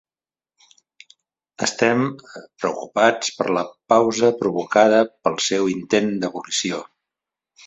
Estem... preocupats per la pausa provocada pel seu intent d'abolició.